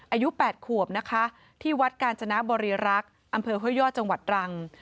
อายุ๘ขวบนะคะที่วัดกาญจนบริรักษ์อำเภอห้วยยอดจังหวัดตรัง